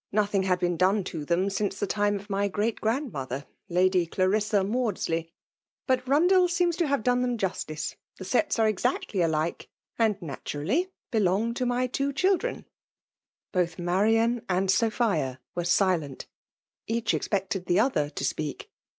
103 Nothing had been done to them sinee the time of my great great grazidmother, Lady Clmnam Maudsley. But BundeU seems to hare done them jnstiee. The seta are exactly alike^ and natmrally belong to my two children." Soth Marian and Sophia were silent. Each expected the other to speak.